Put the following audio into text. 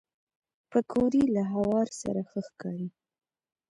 پکورې له هوار سره ښه ښکاري